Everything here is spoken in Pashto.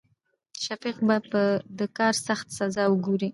شفيق به په د کار سخته سزا وګوري.